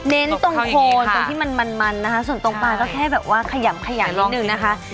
ตรงโคนตรงที่มันมันนะคะส่วนตรงปลาก็แค่แบบว่าขยำขยันนิดนึงนะคะ